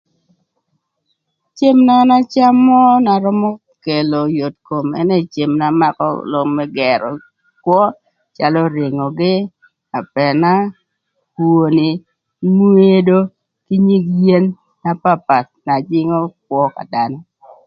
Cem na an acamö na römö kelo yot koma ënë cem na makö rwöm më gërö kwö calö ringogï, apëna, kwon, ngwedo kï nyig yen na papath na jïngö kwö ka dhanö.